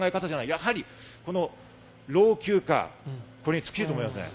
やはり老朽化、これに尽きると思います。